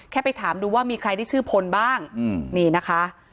ไปถามดูว่ามีใครที่ชื่อพลบ้างนี่นะคะ